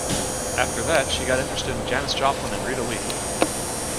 After that, she got interested in Janis Joplin and Rita Lee.